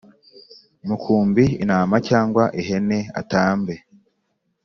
mukumbi intama cyangwa ihene atambe